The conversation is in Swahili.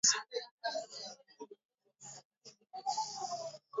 katika zaidi ya nchi mia moja themanini na kati ya nchi zinazoongoza